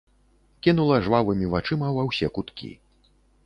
Кінула жвавымі вачыма ва ўсе куткі.